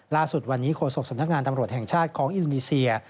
ล่าสุดวันนี้โฆษกสำนักงานตำรวจแห่งชาติของอินโดนีเซีย